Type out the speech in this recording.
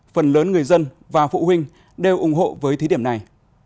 phần lớn người dân và phụ huynh đều ủng hộ với thí điểm này